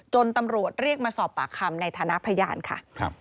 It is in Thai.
ตำรวจเรียกมาสอบปากคำในฐานะพยานค่ะ